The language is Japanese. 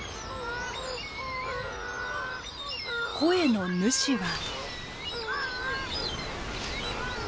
声の主は。